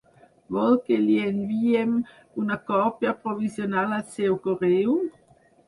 Vol que li envie'm una còpia provisional al seu correu?